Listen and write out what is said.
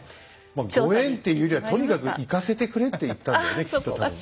まあご縁っていうよりはとにかく行かせてくれって言ったんだねきっと多分。